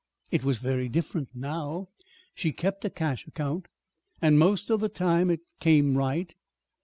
It was very different now. She kept a cash account, and most of the time it came right.